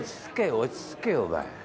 落ち着けよお前。